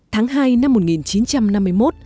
tháng hai năm hai nghìn một mươi chín